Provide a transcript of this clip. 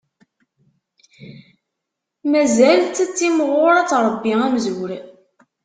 Mazal-tt ad timɣur, ad tṛebbi amzur.